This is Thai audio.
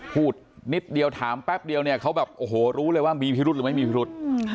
พูดนิดเดียวถามแป๊บเดียวเนี่ยเขาแบบโอ้โหรู้เลยว่ามีพิรุษหรือไม่มีพิรุษ